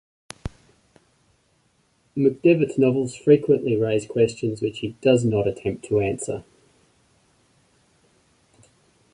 McDevitt's novels frequently raise questions which he does not attempt to answer.